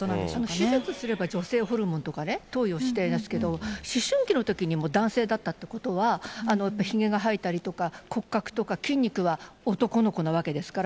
手術すれば、女性ホルモンとかね、投与してですけど、思春期のときにも男性だったということは、やっぱりひげが生えたりとか、骨格とか筋肉は男の子なわけですから。